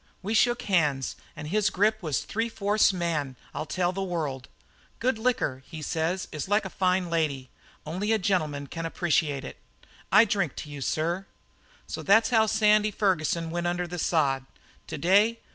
"We shook hands, and his grip was three fourths man, I'll tell the world. "'Good liquor,' says he, 'is like a fine lady. Only a gentleman can appreciate it. I drink to you, sir.' "So that's how Sandy Ferguson went under the sod. To day?